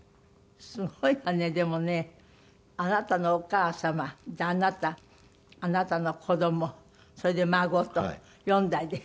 すごいわねでもね。あなたのお母様であなたあなたの子供それで孫と４代で。